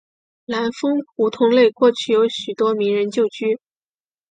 南丰胡同内过去有许多名人旧居。